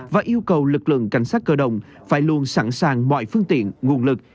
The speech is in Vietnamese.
và yêu cầu lực lượng cảnh sát cơ động phải luôn sẵn sàng mọi phương tiện nguồn lực